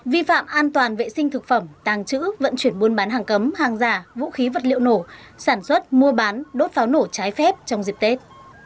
vi phạm an toàn vệ sinh thực phẩm tàng trữ vận chuyển buôn bán hàng cấm hàng giả vũ khí vật liệu nổ sản xuất mua bán đốt pháo nổ trái phép trong dịp tết